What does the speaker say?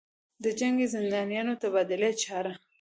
دجنګي زندانیانودتبادلې چاره